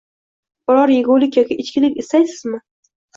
Biror yegulik yoki ichkilik istaysizmi?